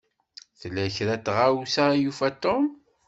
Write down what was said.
Tella kra n tɣawsa i yufa Tom.